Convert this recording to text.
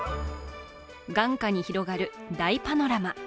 眼下に広がる大パノラマ。